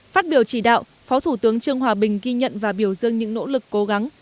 phát biểu chỉ đạo phó thủ tướng trương hòa bình ghi nhận và biểu dương những nỗ lực cố gắng